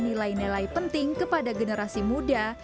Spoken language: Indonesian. nilai nilai penting kepada generasi muda